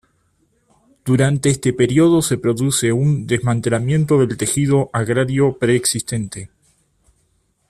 Durante este periodo se produce un desmantelamiento del tejido agrario preexistente.